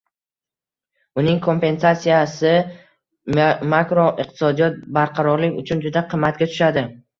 Uning kompensatsiyasi makroiqtisodiy barqarorlik uchun juda qimmatga tushadi